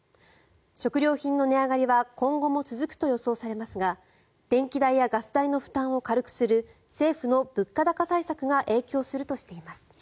食料品の値上がりは今後も続くと予想されますが電気代やガス代の負担を軽くする政府の物価高対策が影響するとしています。